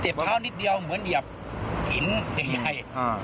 เจ็บข้าวนิดเดียวเหมือนเหยียบหินใหญ่